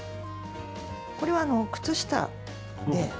これは靴下で。